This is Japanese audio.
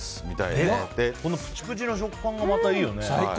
このプチプチの食感がまたいいよね。